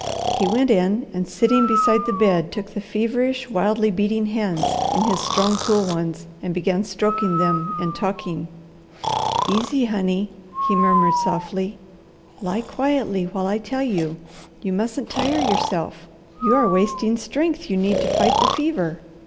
He went in and sitting beside the bed took the feverish, wildly beating hands in his strong, cool ones, and began stroking them and talking. "Easy, honey," he murmured softly. "Lie quietly while I tell you. You mustn't tire yourself. You are wasting strength you need to fight the fever.